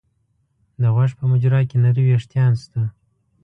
د غوږ په مجرا کې نري وېښتان شته.